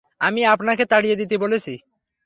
আমি আপনাকে তাড়িয়ে দিতে বলেছি।